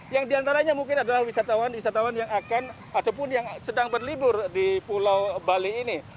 yang diantaranya mungkin adalah wisatawan wisatawan yang sedang berlibur di pulau bali ini